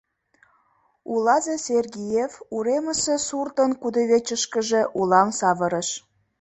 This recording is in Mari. Улазе Сергиев уремысе суртын кудывечышкыже улам савырыш.